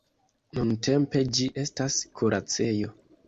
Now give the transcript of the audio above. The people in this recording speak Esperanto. Nuntempe ĝi estas kuracejo.